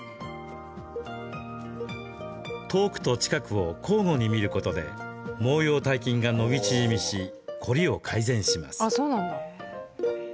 遠くと近くを交互に見ることで毛様体筋が伸び縮みし凝りを改善します。